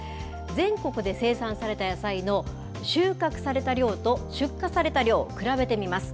全国で生産された野菜の収穫された量と出荷された量、比べてみます。